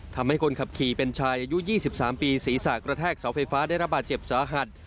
ทำให้คนขับขี่เป็นชายอายุ๒๓ปีศีรษะกระแทกเสาไฟฟ้าได้รับบาดเจ็บสาหัส